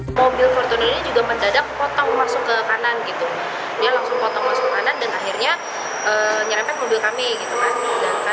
kamu yang nabrak mundur kamu yang dapet mundur gitu loh